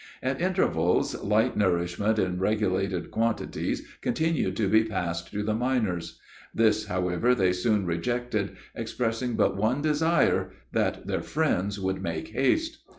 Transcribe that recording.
At intervals, light nourishment in regulated quantities, continued to be passed to the miners; this, however they soon rejected, expressing but one desire, that their friends would make haste.